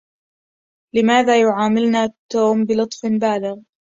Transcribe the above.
لماذا يعاملنا توم بلطف بالغ؟